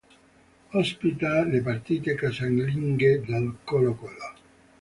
Ospita le partite casalinghe del Colo Colo.